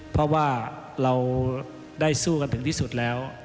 เพราะว่าเราได้สู้กันถึงที่สุดแล้ว